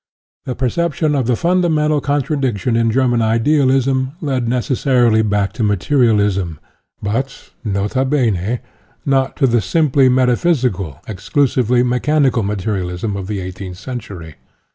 The perception of the fundamental con tradiction in German idealism led neces sarily back to materialism, but nota bene, not to the simply metaphysical, exclusively mechanical materialism of the eighteenth century.